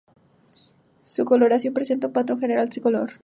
Su coloración presenta un patrón general tricolor.